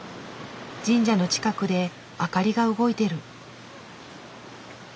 神社の近くで明かりが動いてる。